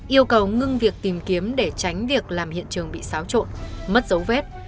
yêu cầu ngưng việc tìm kiếm để tránh việc làm hiện trường bị xáo trộn mất dấu vết